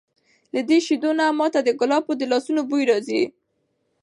له دې شیدو نه ما ته د کلاب د لاسونو بوی راځي!